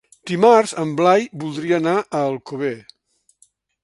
Dimarts en Blai voldria anar a Alcover.